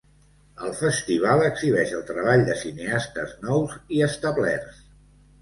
El festival exhibeix el treball de cineastes nous i establerts.